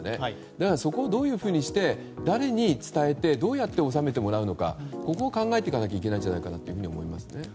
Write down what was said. だからそこをどういうふうにして誰に伝えてどうやって収めてもらうかを考えていかないといけないと思います。